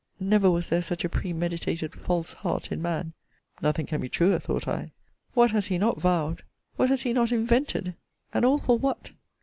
Never was there such a premeditated false heart in man, [nothing can be truer, thought I!] What has he not vowed! what has he not invented! and all for what?